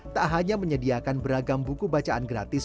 tak hanya menyediakan beragam buku bacaan gratis